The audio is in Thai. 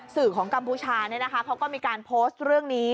สื่อของกัมพูชาเขาก็มีการโพสต์เรื่องนี้